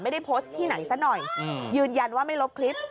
ไม่ได้โพสต์ที่ไหนซะหน่อยยืนยันว่าไม่ลบคลิป